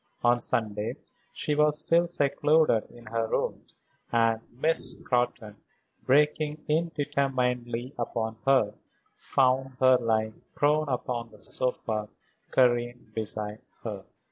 On Sunday she was still secluded in her rooms, and Miss Scrotton, breaking in determinedly upon her, found her lying prone upon the sofa, Karen beside her.